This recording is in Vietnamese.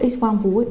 x quang vố ấy